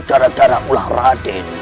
gara gara ulah raden